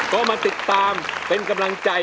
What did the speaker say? ก็มาติดตามเป็นกำลังใจ